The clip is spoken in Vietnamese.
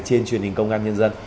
trên truyền hình công an nhân dân